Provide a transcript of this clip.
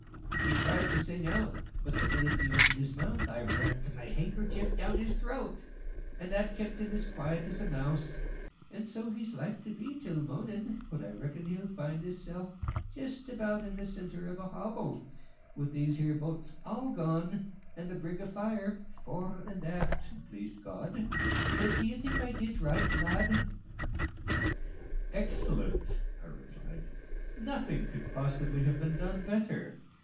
He tried to sing out, but the minute he opened his mouth I rammed my handkercher down his throat, and that kept him as quiet as a mouse; and so he's like to be till morning, when I reckon he'll find hisself just about in the centre of a hobble, with these here boats all gone, and the brig afire fore and aft, please God. D'ye think I did right, lad?" "Excellently," I replied; "nothing could possibly have been done better.